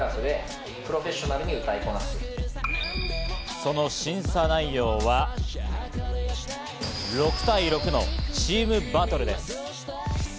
その審査内容は６対６のチームバトルです。